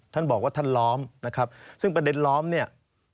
ท่านบอกว่าท่านล้อมนะครับซึ่งประเด็นล้อมเนี่ย